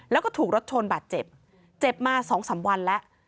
แล้วก็ถูกรถชนบาดเจ็บเจ็บมา๒๓วันแล้ว